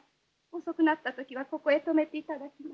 遅くなった時はここへ泊めていただきます。